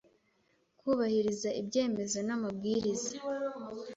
Kubahiriza ibyemezo n amabwiriza